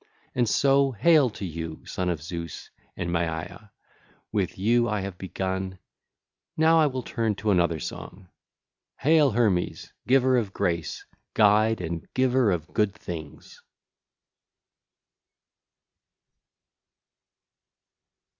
(ll. 10 11) And so hail to you, Son of Zeus and Maia; with you I have begun: now I will turn to another song! (l. 12) Hail, Hermes, giver of grace, guide, and giver of good things!